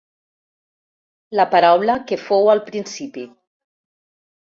La paraula que fou al principi.